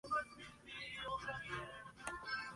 Ese año volvió a Estados Unidos para enseñar en Yale.